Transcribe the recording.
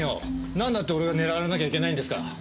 なんだって俺が狙われなきゃいけないんですか。